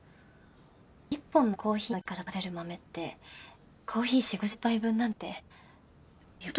１本のコーヒーの木から採れる豆ってコーヒー４０５０杯分なんですって。